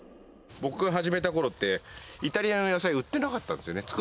僕が始めたころって、イタリアの野菜、売ってなかったんですよね。